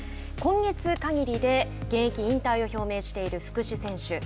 今月かぎりで現役引退を表明している福士選手。